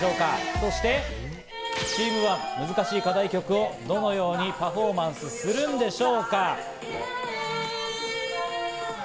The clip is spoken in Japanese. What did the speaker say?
そして、チームＯｎｅ、難しい課題曲をどのようにパフォーマンスするんでしょうか？